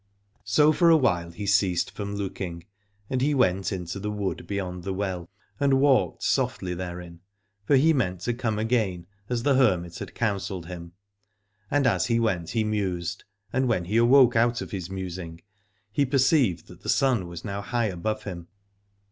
38 Aladore So for a while he ceased from looking, and he went into the wood beyond the well, and walked softly therein, for he meant to come again as the hermit had counselled him. And as he went he mused, and when he awoke out of his musing he perceived that the sun was now high above him.